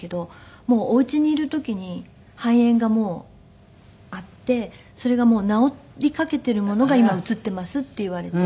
もうお家にいる時に肺炎があってそれが治りかけているものが今写っていますって言われて。